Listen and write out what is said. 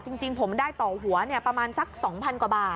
จริงผมได้ต่อหัวประมาณสัก๒๐๐กว่าบาท